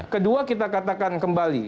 kedua kita katakan kembali